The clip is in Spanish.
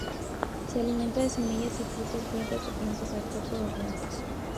Se alimenta de semillas y frutos, brotes de plantas y artrópodos lentos.